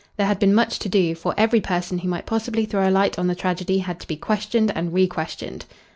There had been much to do, for every person who might possibly throw a light on the tragedy had to be questioned and requestioned.